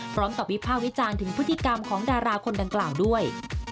วิภาควิจารณ์ถึงพฤติกรรมของดาราคนดังกล่าวด้วย